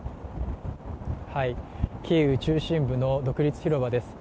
キーウ中心部の独立広場です。